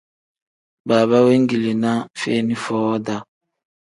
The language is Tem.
Baaba wengilinaa feeni foo-daa.